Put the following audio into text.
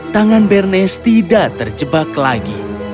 tangan bernest tidak terjebak lagi